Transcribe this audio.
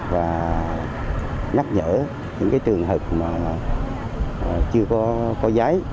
và nhắc nhở những trường hợp mà chưa có giấy